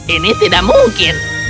ini tidak mungkin